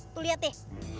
tuh liat deh